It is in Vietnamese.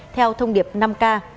theo thông điệp năm k